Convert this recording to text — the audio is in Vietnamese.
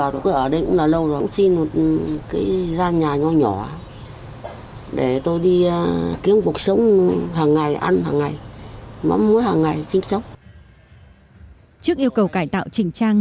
trước yêu cầu cải tạo trình trang